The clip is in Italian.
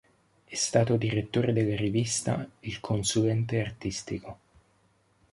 È stato direttore della rivista "Il Consulente Artistico".